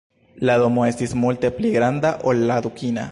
La domo estis multe pli granda ol la dukina.